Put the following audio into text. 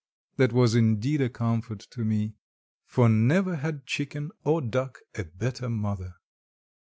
That was indeed a comfort to me. For never had chicken or duck a better mother.